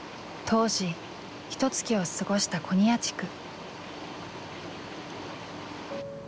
当時ひとつきを過ごした古仁屋地区。